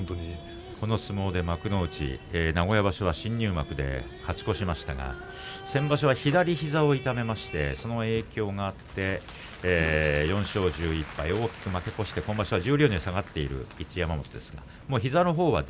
この相撲で幕内名古屋場所新入幕で勝ち越しましたが先場所は左膝を痛めましてその影響があって４勝１１敗大きく負け越して今場所十両に下がっている一山本です。